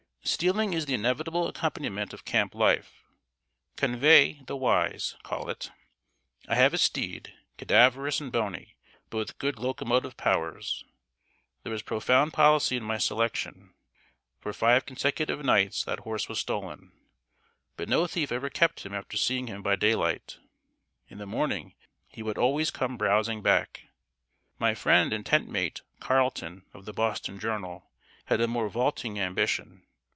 ] Stealing is the inevitable accompaniment of camp life "convey, the wise" call it. I have a steed, cadaverous and bony, but with good locomotive powers. There was profound policy in my selection. For five consecutive nights that horse was stolen, but no thief ever kept him after seeing him by day light. In the morning, he would always come browsing back. My friend and tent mate "Carlton," of The Boston Journal, had a more vaulting ambition.